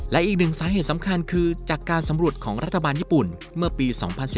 และอีกหนึ่งสาเหตุสำคัญคือจากการสำรวจของรัฐบาลญี่ปุ่นเมื่อปี๒๐๑๙